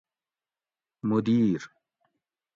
مدیر